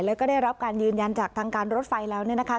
แล้วก็ได้รับการยืนยันจากทางการรถไฟแล้วเนี่ยนะคะ